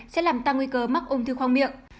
sẽ làm tăng nguy cơ mắc ung thư khoang miệng